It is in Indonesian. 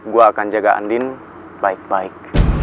gue akan jaga andin baik baik